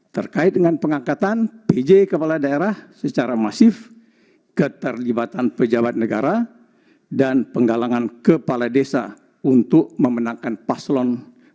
terkait dengan pengangkatan pj kepala daerah secara masif keterlibatan pejabat negara dan penggalangan kepala desa untuk memenangkan paslon dua